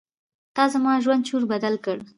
تا زما ژوند چور بدل کړ.